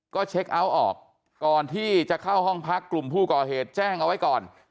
ก็เช็คเอาท์ออกก่อนที่จะเข้าห้องพักกลุ่มผู้ก่อเหตุแจ้งเอาไว้ก่อน